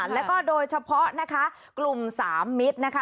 แล้วก็โดยเฉพาะนะคะกลุ่มสามมิตรนะคะ